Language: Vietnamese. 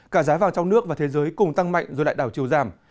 cả giá vàng trong nước và thế giới cùng tăng mạnh rồi lại đảo chiều giảm